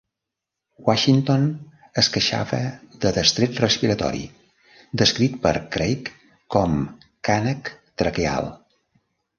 Washington es queixava de destret respiratori, descrit per Craik com "cànnec traqueal".